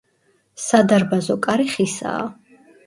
სადარბაზო კარი ხისაა.